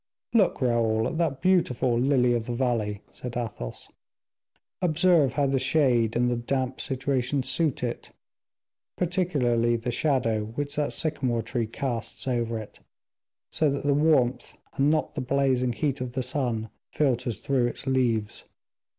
"Look, Raoul, at that beautiful lily of the valley," said Athos; "observe how the shade and the damp situation suit it, particularly the shadow which that sycamore tree casts over it, so that the warmth, and not the blazing heat of the sun, filters through its leaves."